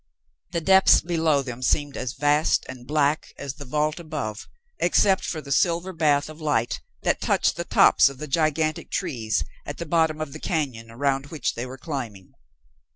The depths below them seemed as vast and black as the vault above, except for the silver bath of light that touched the tops of the gigantic trees at the bottom of the cañon around which they were climbing.